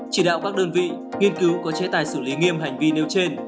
chỉ đạo các đơn vị nghiên cứu có chế tài xử lý nghiêm hành vi nêu trên